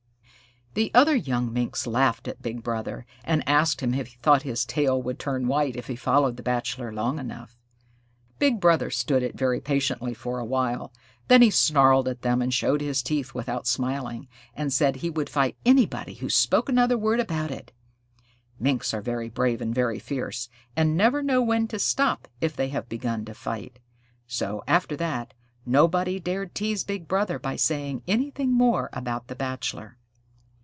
The other young Minks laughed at Big Brother, and asked him if he thought his tail would turn white if he followed the Bachelor long enough. Big Brother stood it very patiently for a while; then he snarled at them, and showed his teeth without smiling, and said he would fight anybody who spoke another word about it. Minks are very brave and very fierce, and never know when to stop if they have begun to fight; so, after that, nobody dared tease Big Brother by saying anything more about the Bachelor.